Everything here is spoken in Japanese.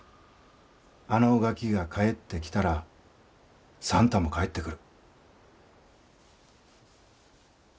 あのガキが帰ってきたら算太も帰ってくる。